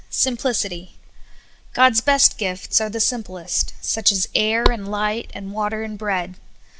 SIMPLICITY. GOD'S best gifts are the simplest, such as air and light and water and bread.